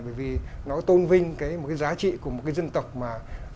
bởi vì nó tôn vinh cái giá trị của một cái dân tộc mà